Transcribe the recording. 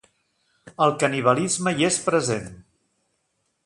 El canibalisme hi és present.